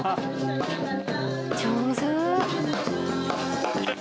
上手！